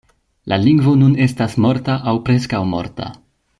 La lingvo nun estas morta aŭ preskaŭ morta.